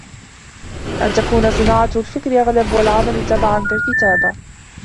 أَنْ تَكُونَ صِنَاعَةُ الْفِكْرِ أَغْلَبَ وَالْعَمَلُ تَبَعًا كَالْكِتَابَةِ